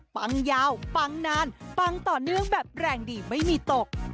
ฟังยาวปังนานปังต่อเนื่องแบบแรงดีไม่มีตก